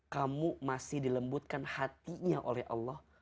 kamu masih dilembutkan hatinya oleh allah